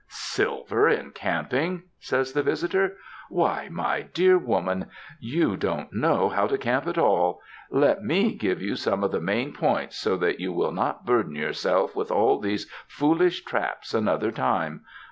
*' Silvtr in camping!" says the visitor. Why, my dear woman, you don't know how to camp at all! Let me give you some of the main points, so that you will not burden yourself with all these foolish traps another time.